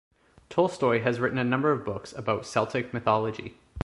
Tolstoy has written a number of books about Celtic mythology.